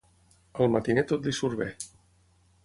Al matiner tot li surt bé.